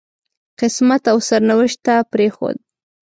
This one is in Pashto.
قسمت او سرنوشت ته پرېښود.